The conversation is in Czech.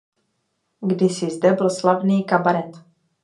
Kdysi zde byl slavný kabaret.